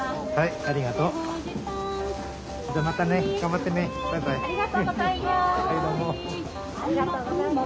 ありがとうございます。